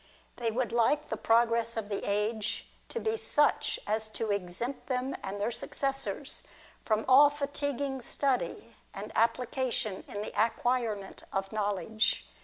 They would like the progress of the age to be such as to exempt them and their successors from all fatiguing study and appli cation in the acquirement of knowledge.